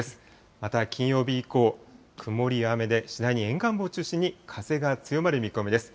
また金曜日以降、曇りや雨で、次第に沿岸部を中心に風が強まる見込みです。